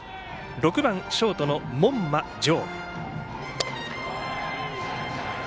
６番、ショートの門間丈。